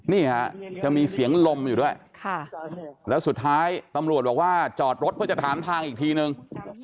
นี่ฮะจะมีเสียงลมอยู่ด้วยแล้วสุดท้ายตำรวจบอกว่าจอดรถเพื่อจะถามทางอีกทีนึง